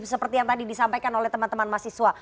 seperti yang tadi disampaikan oleh teman teman mahasiswa